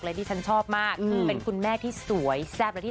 เลยดีฉันชอบมากอืมเป็นคุณแม่ที่สวยแซ่บแล้วที่